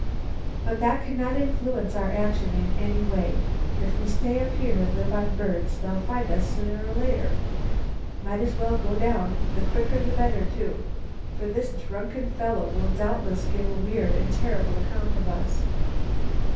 "But that cannot influence our action in any way. If we stay up here and live on birds they'll find us sooner or later. Might as well go down; the quicker the better, too, for this drunken fellow will doubtless give a weird and terrible account of us."